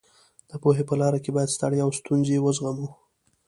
د پوهې په لاره کې باید ستړیا او ستونزې وزغمو.